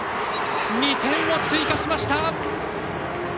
２点を追加しました！